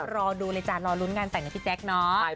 รอดูเลยจ๊ะรอรุ้นการแต่งกับพี่แจ๊คเนาะ